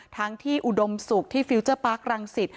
ทั้งที่อุดมศุกร์ที่ฟิลเจอร์ปาร์ครังสิต